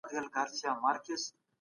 علمي ميتود سمون راولي.